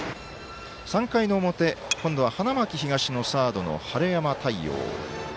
３回の表、今度は花巻東のサードの晴山太陽。